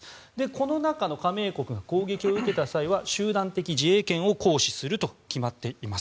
この中の加盟国が攻撃を受けた際は集団的自衛権を行使すると決まっています。